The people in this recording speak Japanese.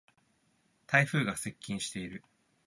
台風が接近している。